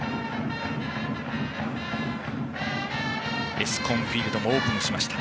エスコンフィールドもオープンしました。